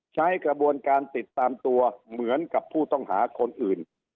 ใช้กระบวนการติดตามตัวเหมือนกับผู้ต้องหาคนอื่น